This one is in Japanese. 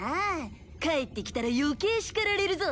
帰ってきたら余計叱られるぞ。